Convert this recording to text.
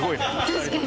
確かに。